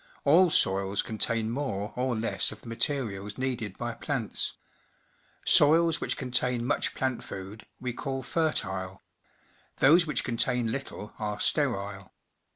All soils contain more or less of the materials needed by plants. Soils which contain much plant food we call fertile; those which contain little are sterile.